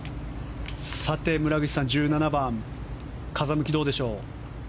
村口さん、１７番風向きどうでしょう。